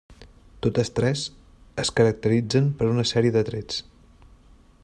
Totes tres es caracteritzen per una sèrie de trets.